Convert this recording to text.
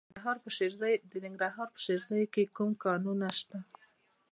د ننګرهار په شیرزاد کې کوم کانونه دي؟